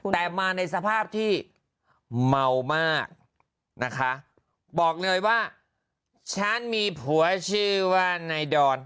แต่มาในสภาพที่เมามากนะคะบอกเลยว่าฉันมีผัวชื่อว่านายดอน